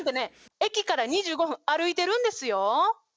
駅から２５分歩いてるんですよ。